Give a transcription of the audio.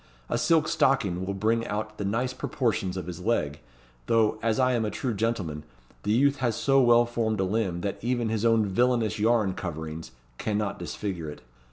A silk stocking will bring out the nice proportions of his leg; though, as I am a true gentleman, the youth has so well formed a limb that even his own villainous yarn coverings cannot disfigure it.